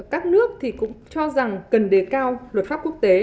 các nước cũng cho rằng cần đề cao luật pháp quốc tế